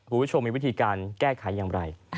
คุณผู้ชมมีวิธีการแก้ไขอย่างไร